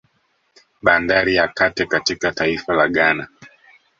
Bandari ya Kate katika taifa la Ghana